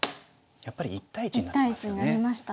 やっぱり１対１になりますよね。